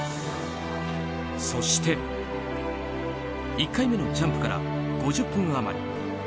そして、１回目のジャンプから５０分余り。